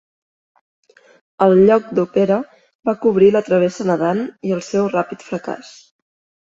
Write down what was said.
El lloc d'Opera va cobrir la travessa nedant i el seu ràpid fracàs.